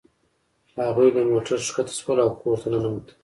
هغوی له موټر ښکته شول او کور ته ننوتل